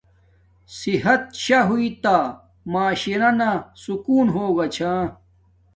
صحت شاہ ہوݵݵ تا معاشرانا سکون ہوگا چھا